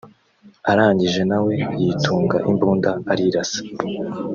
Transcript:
arangije na we yitunga imbunda arirasa